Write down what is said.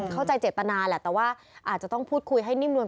เข้าใจเจตนาแหละแต่ว่าอาจจะต้องพูดคุยให้นิ่มนวล